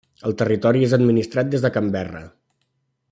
El territori és administrat des de Canberra.